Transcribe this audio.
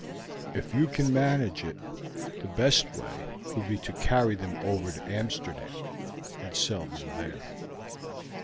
If you can manage it, the best way would be to carry them over to Amsterdam, and sell them there.'